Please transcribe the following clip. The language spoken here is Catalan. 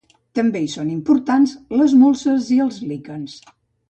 També hi són importants les molses i els líquens.